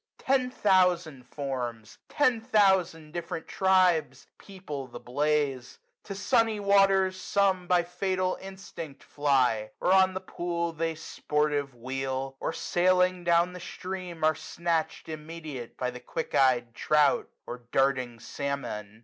Ten thousand forms ! ten thousand different tribes ! People the blaze. To sunny waters some ^50 By fatal instinct fly ; where on the pool They, sportive, wheel ; or, sailing down the stream. Are snatched immediate by the quick ey'd trout. Or darting salmon.